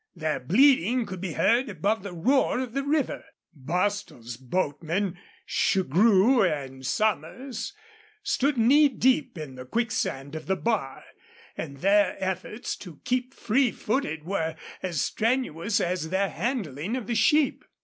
Their bleating could be heard above the roar of the river. Bostil's boatmen, Shugrue and Somers, stood knee deep in the quicksand of the bar, and their efforts to keep free footed were as strenuous as their handling of the sheep.